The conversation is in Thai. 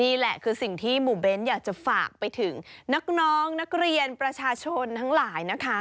นี่แหละคือสิ่งที่หมู่เบ้นอยากจะฝากไปถึงน้องนักเรียนประชาชนทั้งหลายนะคะ